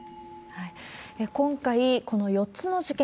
今回、この４つの事件